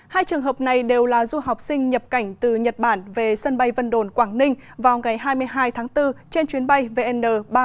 hai trường hợp này đều là du học sinh nhập cảnh từ nhật bản về sân bay vân đồn quảng ninh vào ngày hai mươi hai tháng bốn trên chuyến bay vn ba trăm bốn mươi một